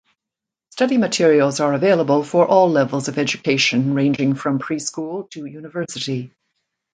Study materials are available for all levels of education ranging from preschool to university.